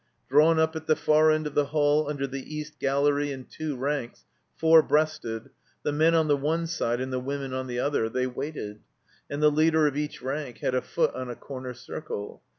Drawn up at the far end of the hall tmder the east gallery in two ranks, four breasted, the men on the one side and the women on the other, they waited, and the leader of each rank had a foot on a comer circle.